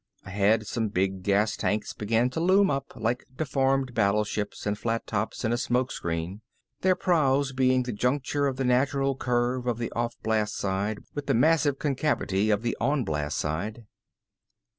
Ahead some big gas tanks began to loom up, like deformed battleships and flat tops in a smoke screen, their prows being the juncture of the natural curve of the off blast side with the massive concavity of the on blast side.